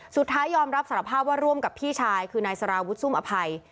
สุดท้ายยอมรับสารภาพว่าร่วมกับพี่ชายคือนายสารวุฒิซุ่มอภัย